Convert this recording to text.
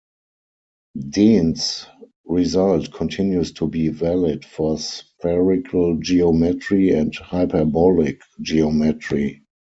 Dehn's result continues to be valid for spherical geometry and hyperbolic geometry.